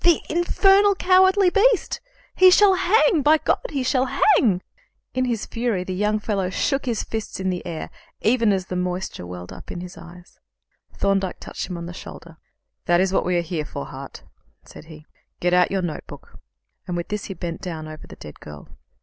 "The infernal cowardly beast! He shall hang! By God, he shall hang!" In his fury the young fellow shook his fists in the air, even as the moisture welled up into his eyes. Thorndyke touched him on the shoulder. "That is what we are here for, Hart," said he. "Get out your notebook;" and with this he bent down over the dead girl.